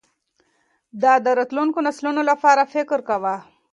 ده د راتلونکو نسلونو لپاره فکر کاوه.